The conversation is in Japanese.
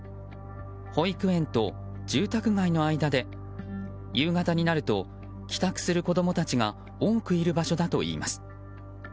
保育園と住宅街の間で夕方になると帰宅する子供たちが多くいる場所だといいます。